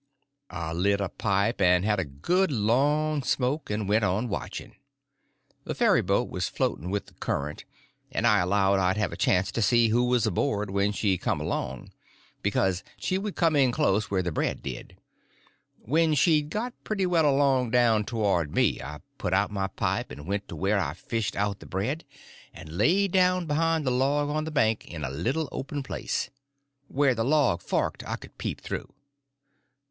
I lit a pipe and had a good long smoke, and went on watching. The ferryboat was floating with the current, and I allowed I'd have a chance to see who was aboard when she come along, because she would come in close, where the bread did. When she'd got pretty well along down towards me, I put out my pipe and went to where I fished out the bread, and laid down behind a log on the bank in a little open place. Where the log forked I could peep through.